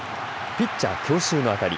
ピッチャー強襲の当たり。